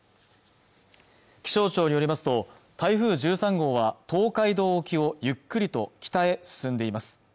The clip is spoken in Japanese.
気象庁によりますと台風１３号は東海道沖をゆっくりと北へ進んでいます